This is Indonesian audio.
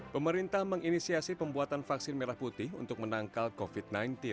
pemerintah menginisiasi pembuatan vaksin merah putih untuk menangkal covid sembilan belas